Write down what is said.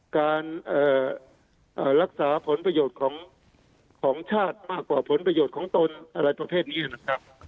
การรักษาผลประโยชน์ของชาติมากกว่าผลประโยชน์ของตนอะไรประเภทนี้นะครับ